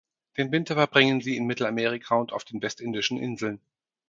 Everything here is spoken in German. Den Winter verbringen sie in Mittelamerika und auf den Westindischen Inseln.